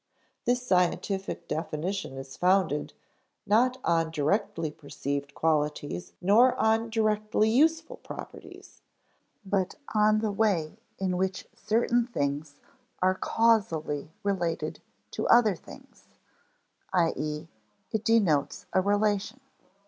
This scientific definition is founded, not on directly perceived qualities nor on directly useful properties, but on the way in which certain things are causally related to other things; i.e. it denotes a relation.